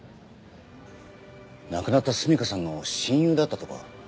亡くなった純夏さんの親友だったとか。